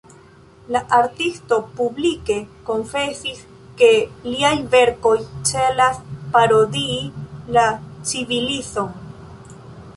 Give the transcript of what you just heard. La artisto publike konfesis, ke liaj verkoj celas parodii la civilizon.